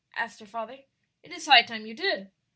asked her father. "It is high time you did.